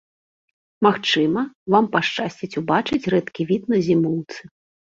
Магчыма, вам пашчасціць убачыць рэдкі від на зімоўцы.